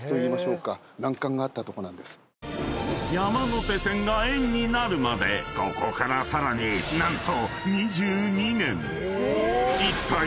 ［山手線が円になるまでここからさらに何と］